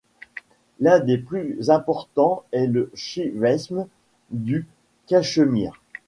L’un des plus importants est le shivaïsme du Cachemire.